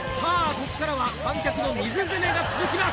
ここからは観客の水攻めが続きます！